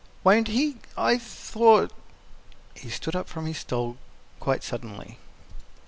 "Won't he? I thought " He stood up from his stool quite suddenly.